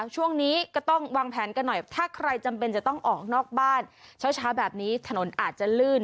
ช่วงนี้ก็ต้องวางแผนกันหน่อยถ้าใครจำเป็นจะต้องออกนอกบ้านเช้าแบบนี้ถนนอาจจะลื่น